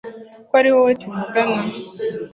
ko ari wowe tuvugana